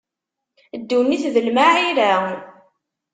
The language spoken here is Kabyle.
Ddunit d lmaɛira.